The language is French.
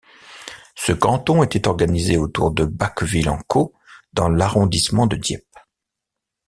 Ce canton était organisé autour de Bacqueville-en-Caux dans l'arrondissement de Dieppe.